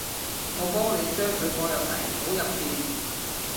我幫你將佢放入泥土入邊